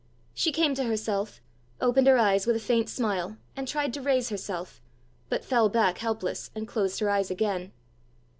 She came to herself, opened her eyes with a faint smile, and tried to raise herself, but fell back helpless, and closed her eyes again.